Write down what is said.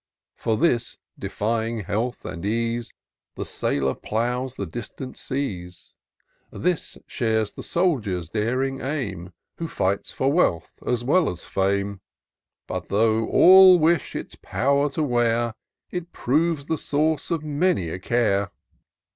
For this, defying health and ease. The Sailor ploughs the distant seas : This shares the Soldier's daring aim. Who fights for wealth as well as fame : IN SEARCH OF THE PICTURESQUE. 247 But, though all wish its pow'r to wear, It proves the source of many a care.